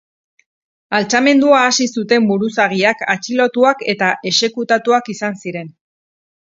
Altxamendua hasi zuten buruzagiak atxilotuak eta exekutatuak izan ziren.